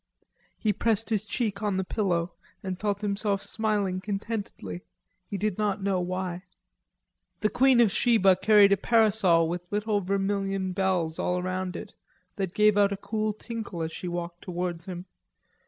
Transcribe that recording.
He pressed his cheek on the pillow and felt himself smiling contentedly, he did not know why. The Queen of Sheba carried a parasol with little vermilion bells all round it that gave out a cool tinkle as she walked towards him.